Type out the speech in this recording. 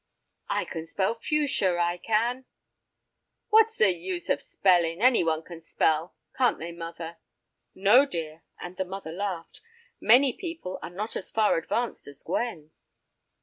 "I can spell 'fuchsia,' I can." "What's the use of spelling! Any one can spell—can't they, mother?" "No, dear," and the mother laughed; "many people are not as far advanced as Gwen."